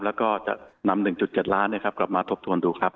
แล้วก็จะนำหนึ่งจุดเจ็ดล้านเนี่ยครับกลับมาทบทวนดูครับ